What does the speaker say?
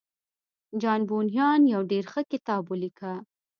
جان بونيان يو ډېر ښه کتاب وليکه.